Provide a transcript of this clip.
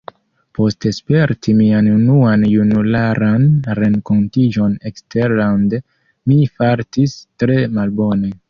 Post sperti mian unuan junularan renkontiĝon eksterlande, mi fartis tre malbone.